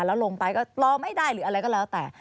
แล้วลงไปก็รอไม่ได้หรืออะไรก็แล้วแต่